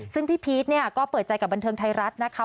ซึ่งพี่พีชเนี่ยก็เปิดใจกับบันเทิงไทยรัฐนะคะ